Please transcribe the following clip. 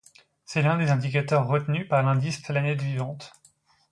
C'est un des indicateurs retenus par l'indice planète vivante.